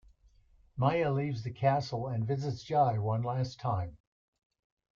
Maya leaves the castle and visits Jai one last time.